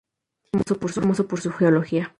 Es famoso por su geología.